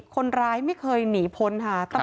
คนร้ายไม่เคยหนีพ้นค่ะ